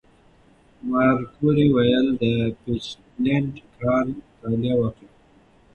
ماري کوري ولې د پیچبلېند کان مطالعه وکړه؟